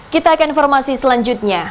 kita akan informasi selanjutnya